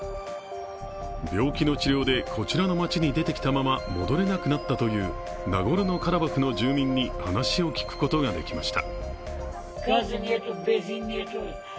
病気の治療でこちらの町に出てきたまま戻れなくなったというナゴルノ・カラバフの住民に話を聞くことができました。